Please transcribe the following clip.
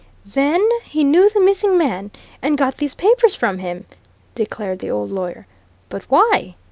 "Then he knew the missing man, and got these papers from him!" declared the old lawyer. "But why?